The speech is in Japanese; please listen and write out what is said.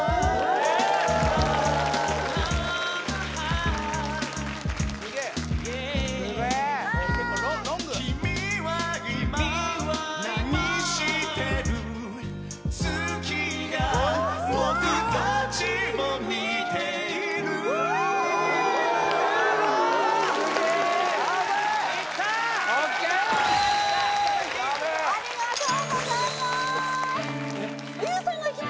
やべえありがとうございまーす